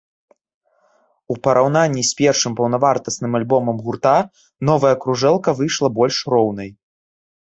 У параўнанні з першым паўнавартасным альбомам гурта, новая кружэлка выйшла больш роўнай.